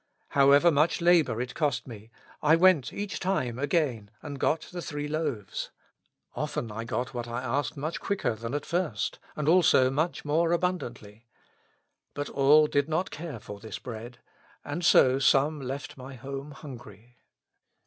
However much labor it cost me, I went each time again, and got the three loaves. Often I got what I asked much quicker than at first, and also much more abundantly. But all did not care for this bread, and so some left my home hungry."